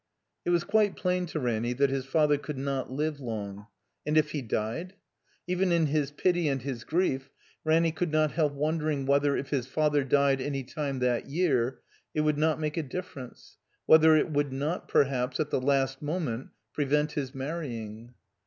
It was quite plain to Ranny that his father could not live long. And if he died ? Even in his pity and his grief Ranny could not help wondering whether, if his father died any time that year, it would not make a difference, whether it would not, perhai)s, at the last moment prevent his marrying?